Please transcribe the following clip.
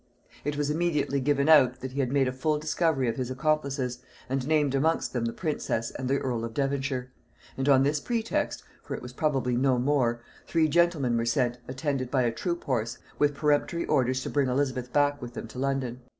It was immediately given out, that he had made a full discovery of his accomplices, and named amongst them the princess and the earl of Devonshire; and on this pretext, for it was probably no more, three gentlemen were sent, attended by a troop horse, with peremptory orders to bring Elizabeth back with them to London.